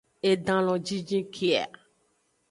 Edan lo jinjin ke a!